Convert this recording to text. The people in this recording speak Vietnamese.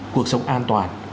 cuộc sống an toàn